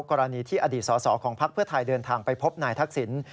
กรณีที่อดีตสอสอของพักเพื่อไทยเดินทางไปพบนายทักษิณ